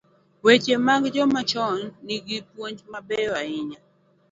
Weche mag joma chon gi nigi puonj mabeyo ahinya.